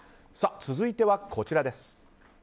続いては、こちらです。